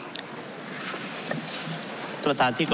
สวัสดีครับสวัสดีครับ